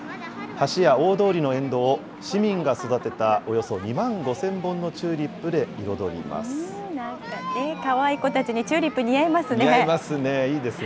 橋や大通りの沿道を、市民が育てたおよそ２万５０００本のチューリップで彩ります。